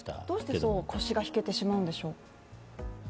どうして腰が引けてしまうんでしょう。